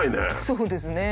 そうですね。